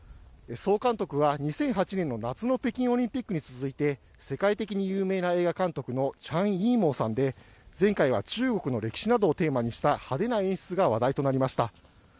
総監督は２００８年の夏の北京オリンピックに続いて世界的に有名な映画監督のチャン・イーモウさんで前回は中国の歴史などをテーマにした派手な演出が話題となりました。